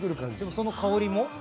その香りも？